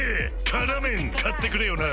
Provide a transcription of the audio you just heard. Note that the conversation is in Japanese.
「辛麺」買ってくれよな！